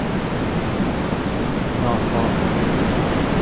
نافی